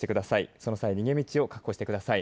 その際逃げ道を確保してください。